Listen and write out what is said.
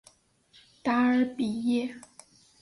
达尔比耶。